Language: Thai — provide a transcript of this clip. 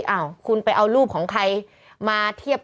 อ้าวคุณไปเอารูปของใครมาเทียบ